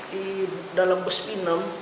di dalam bus pinam